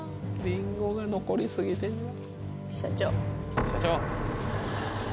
りんごが残り過ぎて社長！社長！